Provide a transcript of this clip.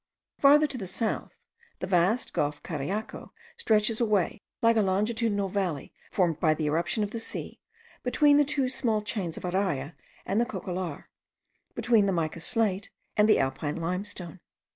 Farther to the south, the vast gulf Cariaco stretches away, like a longitudinal valley formed by the irruption of the sea, between the two small chains of Araya and the Cocollar, between the mica slate and the Alpine limestone.